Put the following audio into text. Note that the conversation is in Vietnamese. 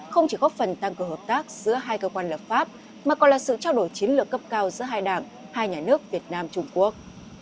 không chỉ góp phần tăng cường hợp tác giữa hai cơ quan lập pháp mà còn là sự trao đổi chiến lược cấp cao giữa hai đảng hai nhà nước việt nam trung quốc